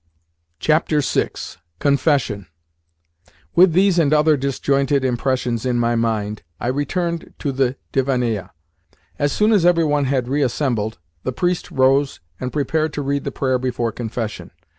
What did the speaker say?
VI. CONFESSION With these and other disjointed impressions in my mind, I returned to the divannaia. As soon as every one had reassembled, the priest rose and prepared to read the prayer before confession.